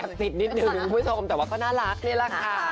ติดนิดนึงคุณผู้ชมแต่ว่าก็น่ารักนี่แหละค่ะ